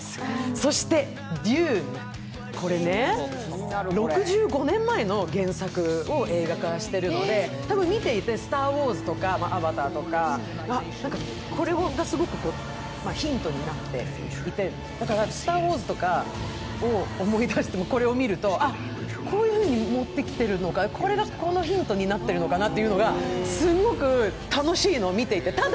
そして「ＤＵＮＥ」、これ６５年前の原作を映画化しているので、多分見ていて、「スター・ウォーズ」とか「アバター」とか、これがすごくヒントになっていて、だから「スター・ウォーズ」とかを思い出してもこれを見ると、こういうふうに持ってきてるのか、これがヒントになっているのかなというのがすごく楽しいの、見ていて。